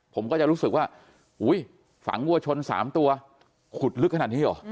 ผมก็จะรู้สึกว่าอุ้ยฝังวัวชน๓ตัวขุดลึกขนาดนี้เหรอ